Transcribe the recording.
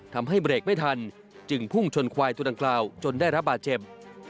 ทำให้เบรกไม่ทันจึงพุ่งชนควายตัวดังกล่าวจนได้รับบาดเจ็บ